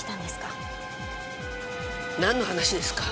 なんの話ですか？